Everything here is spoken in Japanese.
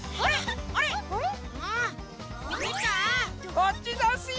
こっちざんすよ！